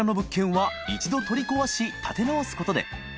錣一度取り壊し建て直すことで‥